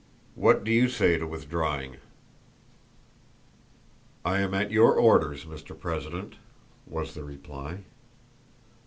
"What do you say to withdrawing?" "I am at your orders, Mr. President," was the reply.